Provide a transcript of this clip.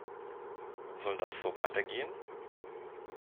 Soll das so weitergehen?